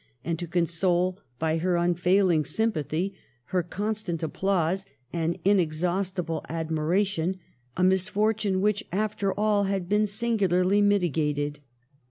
37 and to console by her unfailing sympathy, her constant applause, and inexhaustible admiration, a misfortune which, after all, had been singularly mitigated.